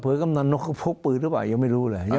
เผลอกำนันนกก็พกปืนหรือเปล่ายังไม่รู้แหละ